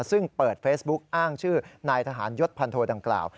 ซึ่งเปิดเฟซบุ๊กอ้างชื่อนายทหารยศพันโทดังกล่าว